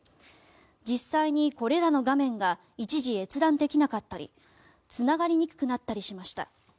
実際にこれらの画面が一時、閲覧できなかったりつながりにくくなったりしました。